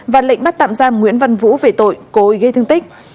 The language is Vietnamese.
và lệnh bắt tạm giam nguyễn văn vũ về tội cố ý gây thương tích